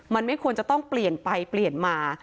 มันไม่ควรจะต้องเปลี่ยนไปเปลี่ยนมา